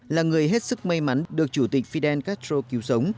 là người hết sức may mắn được chủ tịch fidel castro cứu sống